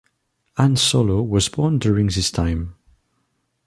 Han Solo was born during this time.